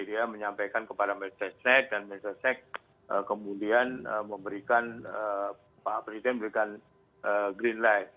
dia menyampaikan kepada mestresnek dan mestresnek kemudian memberikan pak presiden memberikan greenlight